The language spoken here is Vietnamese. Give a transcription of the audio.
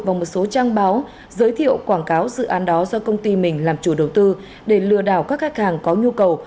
vào một số trang báo giới thiệu quảng cáo dự án đó do công ty mình làm chủ đầu tư để lừa đảo các khách hàng có nhu cầu